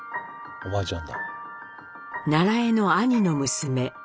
おばあちゃん。